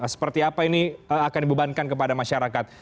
seperti apa ini akan dibebankan kepada masyarakat